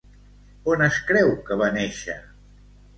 On es creu que va néixer?